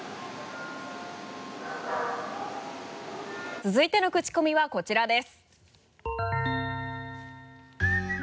続いてのクチコミはこちらです。